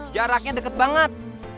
jaraknya deket banget